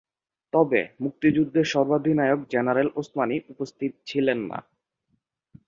তবে মুক্তিযুদ্ধের সর্বাধিনায়ক জেনারেল ওসমানী উপস্থিত ছিলেন না।